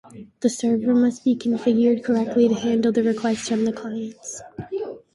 The server must be configured correctly to handle the requests from the clients.